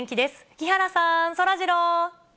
木原さん、そらジロー。